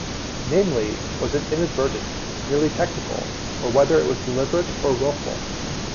Namely, was it inadvertent, merely technical, or whether it was deliberate or wilful.